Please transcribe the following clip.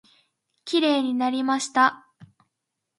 きれいになりました。